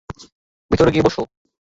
ভিতরে গিয়ে বসো।